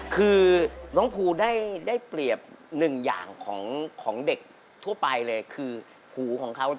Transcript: คือน้องภูได้เปรียบหนึ่งอย่างของเด็กทั่วไปเลยคือหูของเขา